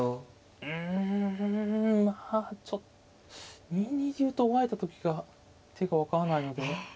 うんまあちょっと２二竜と追われた時が手が分からないので。